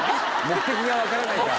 目的がわからないか。